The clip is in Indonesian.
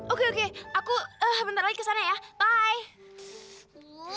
oke oke aku eh bentar lagi kesana ya bye